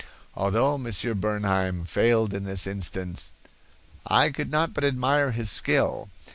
Although Monsieur Bernheim failed in this instance, I could not but admire his skill.